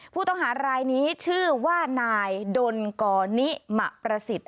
ผู้ต้องหารายนี้ชื่อว่านายดนกรณิมะประสิทธิ์